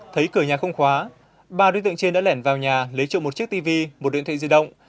thấy cửa nhà không khóa ba đối tượng trên đã lẻn vào nhà lấy trộm một chiếc tv một điện thoại di động